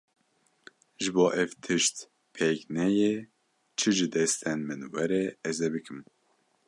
Ji bo ev tişt pêk neyê çi ji destên min were ez ê bikim.